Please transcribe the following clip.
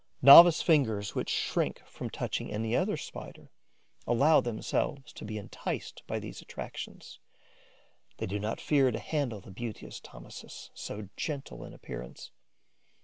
Novice fingers, which shrink from touching any other Spider, allow themselves to be enticed by these attractions; they do not fear to handle the beauteous Thomisus, so gentle in appearance.